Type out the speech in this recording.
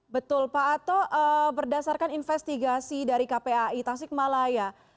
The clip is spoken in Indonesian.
betul pak ato berdasarkan investigasi dari kpai tasikmalaya